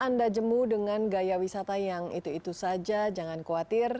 anda jemuh dengan gaya wisata yang itu itu saja jangan khawatir